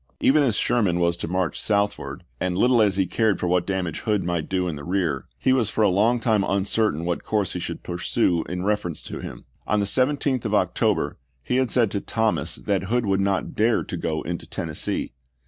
Eager as Sherman was to march southward, and little as he cared for what damage Hood might do in the rear, he was for a long time uncertain what course he should pursue in reference to him. On the 17th of October he had said to Thomas that Hood would not dare to go into Tennessee.